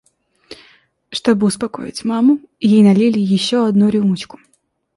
Чтобы успокоить маму, ей налили еще одну рюмочку.